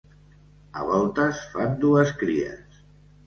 A voltes fan dues cries.